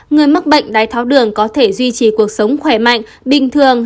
người mắc bệnh đái tháo đường có thể duy trì cuộc sống khỏe mạnh bình thường